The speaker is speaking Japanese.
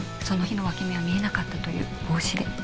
その日の分け目は見えなかったという帽子で。